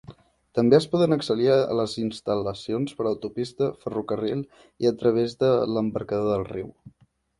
També es poden accedir a les instal·lacions per autopista, ferrocarril i a través de l'embarcador del riu.